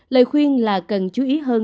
lời khuyên là cần chú ý hơn